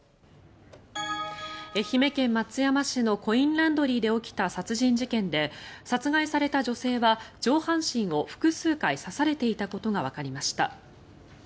愛媛県松山市のコインランドリーで起きた殺人事件で殺害された女性は、上半身を複数回刺されていたことがわかりました。